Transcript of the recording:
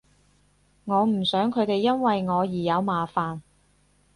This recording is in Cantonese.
我唔想佢哋因為我而有麻煩